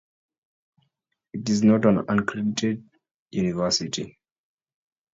It is not an accredited university.